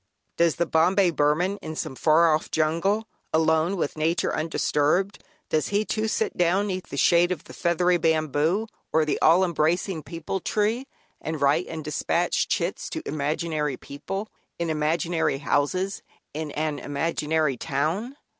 Does the "Bombay Burman," in some far off jungle, "alone with nature undisturbed," does he too sit down 'neath the shade of the feathery bamboo, or the all embracing Peepul tree, and write and despatch "chits" to imaginary people, in imaginary houses, in an imaginary town?